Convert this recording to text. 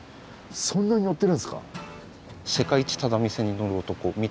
そんなに乗ってるんですか。